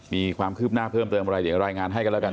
มีความคืบหน้าเพิ่มเติมอะไรเดี๋ยวรายงานให้กันแล้วกัน